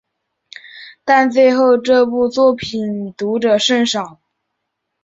但最后这部作品读者甚少。